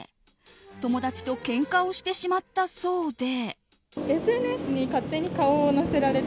友達とけんかをしてしまったそうで。